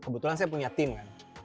kebetulan saya punya tim kan